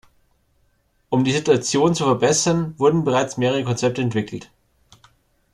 Um die Situation zu verbessern, wurden bereits mehrere Konzepte entwickelt.